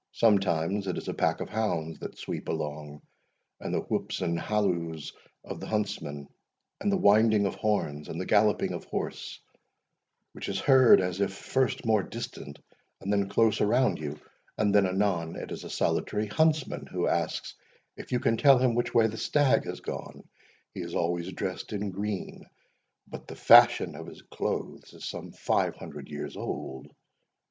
Sometimes it is a pack of hounds, that sweep along, and the whoops and halloos of the huntsmen, and the winding of horns and the galloping of horse, which is heard as if first more distant, and then close around you—and then anon it is a solitary huntsman, who asks if you can tell him which way the stag has gone. He is always dressed in green; but the fashion of his clothes is some five hundred years old.